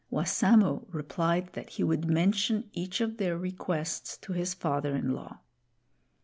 Wassamo replied that he would mention each of their requests to his father in law.